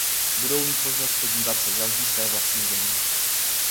Budou mít možnost podívat se za zdi své vlastní země.